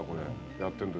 やってる時。